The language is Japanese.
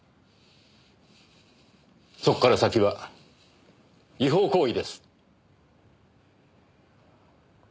そこから先は違法行為です。